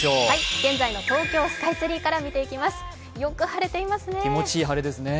現在の東京スカイツリーから見ていきます。